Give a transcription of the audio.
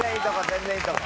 全然いいとこ。